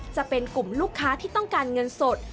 จะเป็นกลุ่มลูกค้าที่ต้องการเงินสด